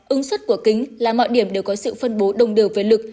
ứng xuất của kính là mọi điểm đều có sự phân bố đồng đều với lực